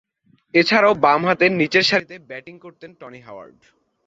এছাড়াও, বামহাতে নিচেরসারিতে ব্যাটিং করতেন টনি হাওয়ার্ড।